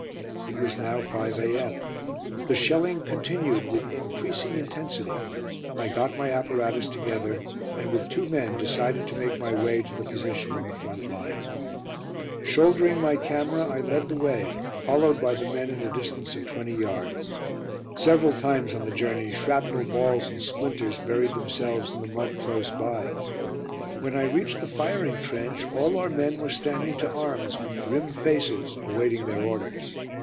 It was now 5 a.m. The shelling continued with increasing intensity. I got my apparatus together, and with two men decided to make my way to the position in the front line. [Illustration: WITH MY AEROSCOPE CAMERA AFTER FILMING THE BATTLE OF ST. ELOI] Shouldering my camera I led the way, followed by the men at a distance of twenty yards. Several times on the journey shrapnel balls and splinters buried themselves in the mud close by. When I reached the firing trench all our men were standing to arms, with grim faces, awaiting their orders.